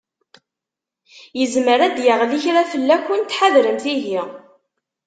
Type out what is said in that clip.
Yezmer ad d-yeɣli kra fell-akent, ḥadremt ihi.